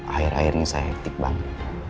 akhir akhir ini saya hektik banget